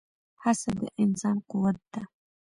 هڅه د انسان قوت دی.